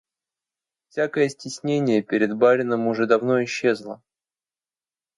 Всякое стеснение перед барином уже давно исчезло.